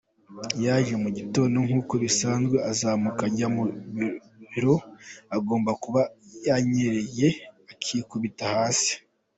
Yaje mu gitondo nkuko bisanzwe azamuka ajya mu biro agomba kuba yanyereye akikubita hasi.